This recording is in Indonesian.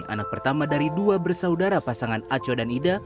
anak pertama dari dua bersaudara pasangan aco dan ida